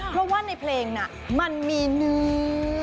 เพราะว่าในเพลงน่ะมันมีเนื้อ